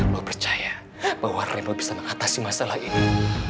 lo percaya bahwa remo bisa mengatasi masalah ini